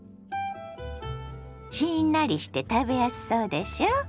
しんなりして食べやすそうでしょ。